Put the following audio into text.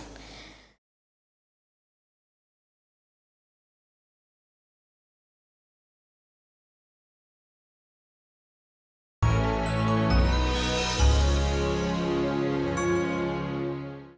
teks dayu gw oddah dateng juga pierah sama suami things for a while